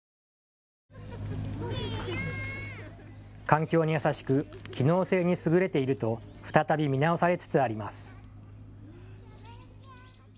環境に優しく機能性に優れていると再び見直されつつあります。